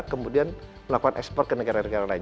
kemudian melakukan ekspor ke negara negara lain